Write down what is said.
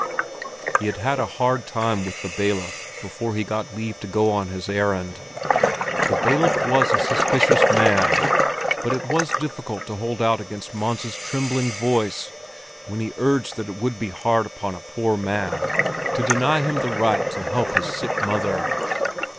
He had had a hard time with the bailiff before he got leave to go on his errand. The bailiff was a suspicious man, but it was difficult to hold out against Mons' trembling voice when he urged that it would be too hard on a poor man to deny him the right to help his sick mother.